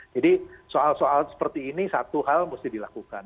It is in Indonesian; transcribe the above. jadi soal soal seperti ini satu hal mesti dilakukan